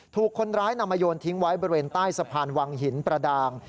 ถูกคนร้ายนำมาโยนทิ้งไว้บริเวณใต้สะพานวังหินประดาง